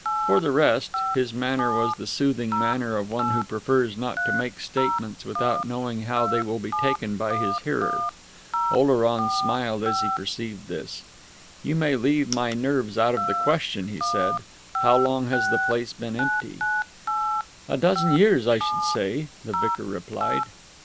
For the rest, his manner was the soothing manner of one who prefers not to make statements without knowing how they will be taken by his hearer. Oleron smiled as he perceived this. "You may leave my nerves out of the question," he said. "How long has the place been empty?" "A dozen years, I should say," the vicar replied.